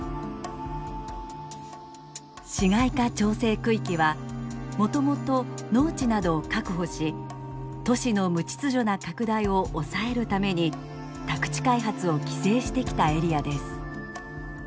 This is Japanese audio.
市街化調整区域はもともと農地などを確保し都市の無秩序な拡大を抑えるために宅地開発を規制してきたエリアです。